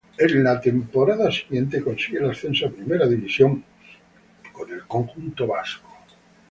En la temporada siguiente consigue el ascenso a Primera División con el conjunto vasco.